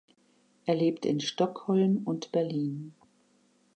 Er lebt in Stockholm und Berlin.